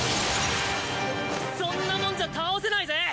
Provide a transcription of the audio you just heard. そんなもんじゃ倒せないぜ。